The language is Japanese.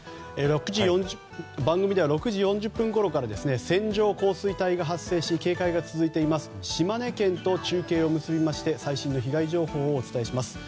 番組では６時４０分ごろから線状降水帯が発生し警戒が続いている島根県と中継を結びまして最新の被害情報をお伝えします。